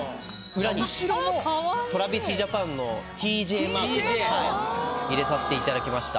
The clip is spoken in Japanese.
裏にＴｒａｖｉｓＪａｐａｎの入れさしていただきました。